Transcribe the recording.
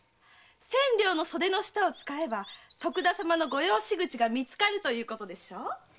千両の袖の下を使えば徳田様のご養子口が見つかるということでしょう？